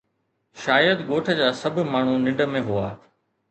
شايد ڳوٺ جا سڀ ماڻهو ننڊ ۾ هئا